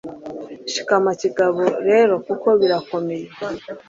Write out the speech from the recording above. shikama kigabo rero kuko birakomeye